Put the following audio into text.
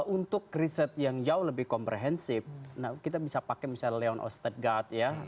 untuk riset yang jauh lebih komprehensif kita bisa pakai misalnya leon osted guard ya